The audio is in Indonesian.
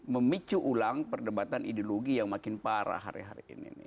memicu ulang perdebatan ideologi yang makin parah hari hari ini